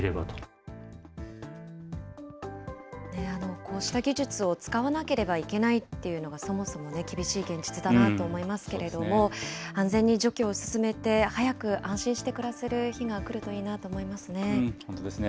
こうした技術を使わなければいけないっていうのが、そもそも厳しい現実だなと思いますけれども、安全に除去を進めて、早く安心して暮らせる日が来るといいなと思いますね。